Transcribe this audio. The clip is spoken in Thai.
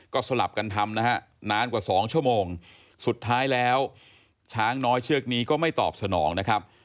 ก็สลับกันทำนะฮะนานกว่า๒ชั่วโมงสุดท้ายแล้วช้างน้อยเชือกนี้ก็ไม่ตอบสนองนะครับ